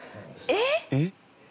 えっ！？